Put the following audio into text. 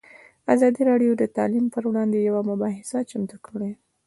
ازادي راډیو د تعلیم پر وړاندې یوه مباحثه چمتو کړې.